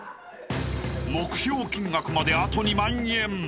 ［目標金額まであと２万円］